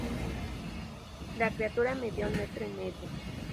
La criatura medía un metro y medio.